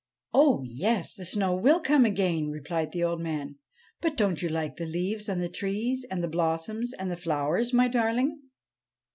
' Oh ! yes ; the snow will come again,' replied the old man. ' But don't you like the leaves on the trees and the blossoms and the flowers, my darling?'